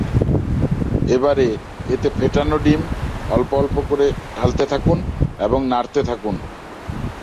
এবারে এতে ফেটানো ডিম অল্প অল্প করে ঢালতে থাকুন এবং নাড়তে থাকুন।